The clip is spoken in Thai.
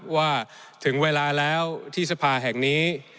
ว่าถึงเวลาแล้วที่สภาแห่งนี้